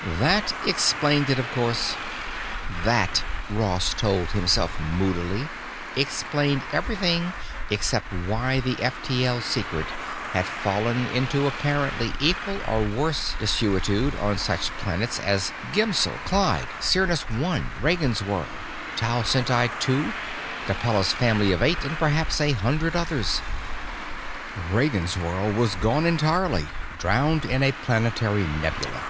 That explained it, of course. That, Ross told himself moodily, explained everything except why the F T L secret had fallen into apparently equal or worse desuetude on such planets as Gemsel, Clyde, Cyrnus One, Ragansworld, Tau Ceti II, Capella's family of eight, and perhaps a hundred others. Ragansworld was gone entirely, drowned in a planetary nebula.